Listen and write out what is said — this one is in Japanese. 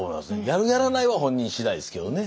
やるやらないは本人次第ですけどね。